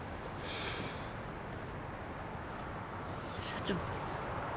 社長。